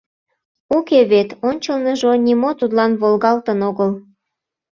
Уке вет, ончылныжо нимо тудлан волгалтын огыл.